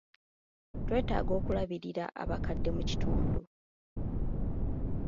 Twetaaga okulabirira abakadde mu kitundu.